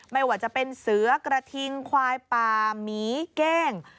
ไม่ว่าจะเป็นเสือกระทิงควายป่าหมีเก้ง